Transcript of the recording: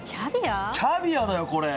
キャビアだよこれ。